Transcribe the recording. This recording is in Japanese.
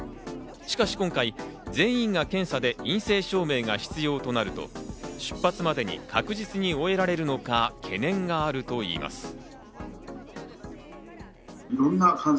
しかし今回、全員が検査で陰性証明が必要となると出発までに確実に終えられるのか懸念があるといいます。